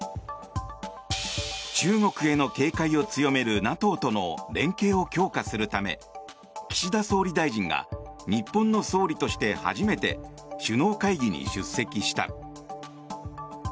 中国への警戒を強めるＮＡＴＯとの連携を強化するため岸田総理大臣が日本の総理として初めて首脳会議に出席した。